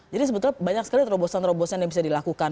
jadi sebetulnya banyak sekali terobosan terobosan yang bisa dilakukan